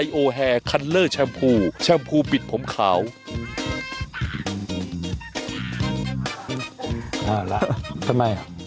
เออละทำไม